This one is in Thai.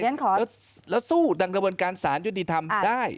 ขอแล้วสู้ดังกระบวนการสารยุติธรรมได้